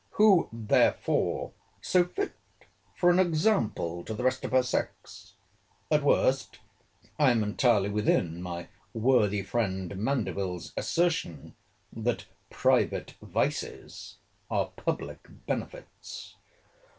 Who therefore so fit for an example to the rest of her sex?—At worst, I am entirely within my worthy friend Mandeville's assertion, that private vices are public benefits.